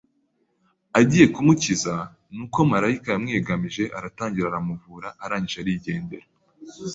agiye kumukiza ni uko marayika yaramwiyegamije aratangira aramuvura arangije arigendera .